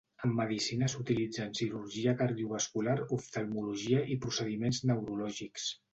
En Medicina s'utilitza en cirurgia cardiovascular, oftalmologia i procediments neurològics.